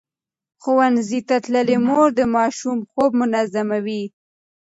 ښوونځې تللې مور د ماشوم خوب منظموي.